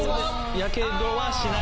やけどはしない。